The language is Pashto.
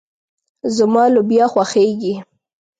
زما لوبيا خوښيږي.